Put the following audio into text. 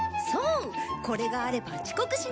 これがあれば遅刻しないんだ。